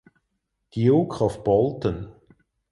Duke of Bolton.